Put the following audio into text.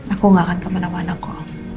aku gak akan kemenangan aku